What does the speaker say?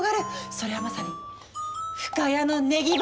それはまさに深谷のネギ畑。